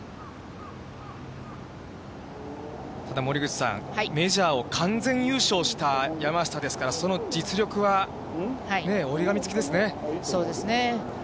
ただ森口さん、メジャーを完全優勝した山下ですから、その実力はね、そうですね。